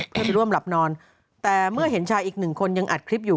ท่านไปร่วมหลับนอนแต่เมื่อเห็นชายอีกหนึ่งคนยังอัดคลิปอยู่